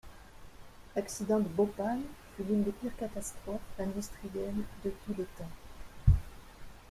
L’accident de Bhopal fut l’une des pires catastrophes industrielles de tous les temps.